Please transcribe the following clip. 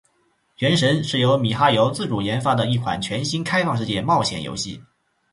《原神》是由米哈游自主研发的一款全新开放世界冒险游戏。